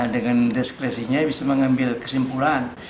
dengan diskresinya bisa mengambil kesimpulan